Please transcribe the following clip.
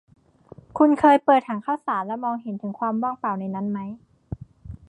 คุณเคยเปิดถังข้าวสารแล้วมองเห็นถึงความว่างเปล่าในนั้นไหม ?